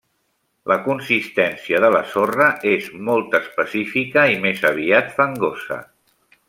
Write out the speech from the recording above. La consistència de la sorra és molt específica i més aviat fangosa.